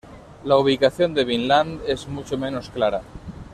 La ubicación de Vinland es mucho menos clara.